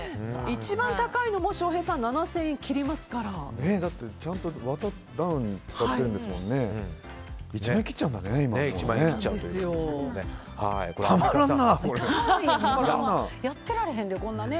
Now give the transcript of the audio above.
一番高いのも翔平さん７０００円切りますからちゃんとダウン使ってるんですもんね。